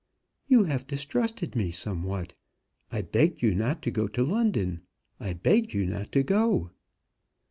"You have distrusted me somewhat. I begged you not to go to London. I begged you not to go."